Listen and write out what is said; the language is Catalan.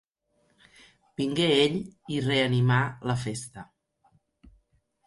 Vingué ell i reanimà la festa.